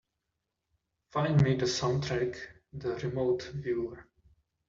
Find me the soundtrack The Remote Viewer